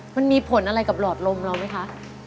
มันมีผลอะไรกับหลอดลมเราไหมคะ